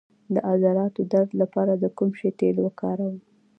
د عضلاتو درد لپاره د کوم شي تېل وکاروم؟